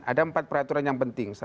ada empat peraturan yang penting